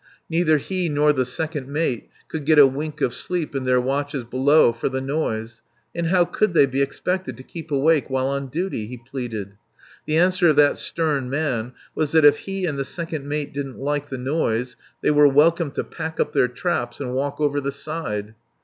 Neither he nor the second mate could get a wink of sleep in their watches below for the noise. ... And how could they be expected to keep awake while on duty? He pleaded. The answer of that stern man was that if he and the second mate didn't like the noise, they were welcome to pack up their traps and walk over the side.